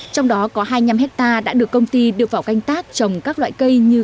trong đó có hai mươi năm hectare đã được công ty đưa vào canh tác trồng các loại cây như